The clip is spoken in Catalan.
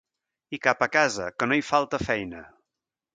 I cap a casa, que no hi falta feina.